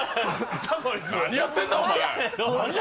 何やってんだ、お前。